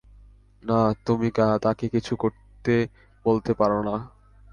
না, তুমি তাকে কিছু করতে বলতে পার না।